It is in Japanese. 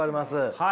はい。